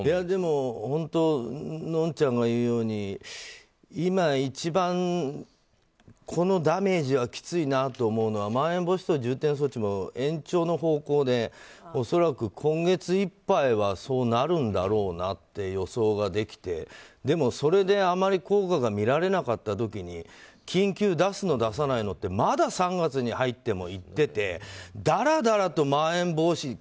でも、のんちゃんの言うように今一番このダメージがきついなと思うのはまん延防止等重点措置が延長の方向で恐らく今月いっぱいはそうなるんだろうなって予想ができて、でも、それであまり効果が見られなかった時に緊急を出すの、出さないのってまだ３月に入っても言ってて言っててだらだらとまん延防止。